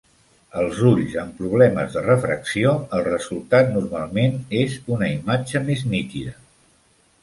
Als ulls amb problemes de refracció, el resultat normalment és una imatge més nítida.